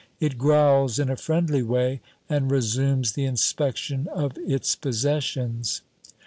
It growls in a friendly way, and resumes the inspection of its possessions.